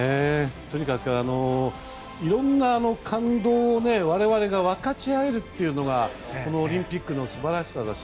とにかく、いろんな感動を我々が分かち合えるというのがオリンピックの素晴らしさだし。